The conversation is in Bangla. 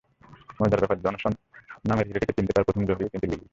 মজার ব্যাপার, জনসন নামের হীরেটিকে চিনতে পারা প্রথম জহুরিও কিন্তু লিলিই।